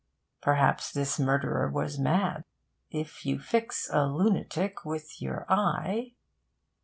Perhaps this murderer was mad. If you fix a lunatic with your eye...